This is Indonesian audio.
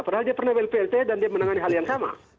padahal dia pernah blt dan dia menangani hal yang sama